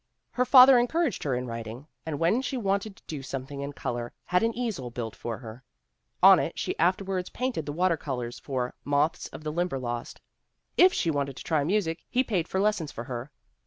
' Her father encouraged her in writing, and when she wanted to do something in color had an easel built for her. On it she afterward painted the water colors for Moths of the Limberlost. If she wanted to try music he paid for lessons for her.